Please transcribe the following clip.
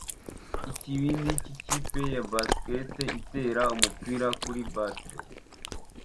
Ikibindi cy'ikipe ya baseball itera umupira kuri batter